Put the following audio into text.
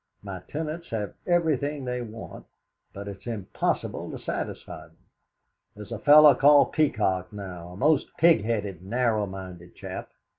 My tenants have everything they want, but it's impossible to satisfy them. There's a fellow called Peacock, now, a most pig headed, narrowminded chap.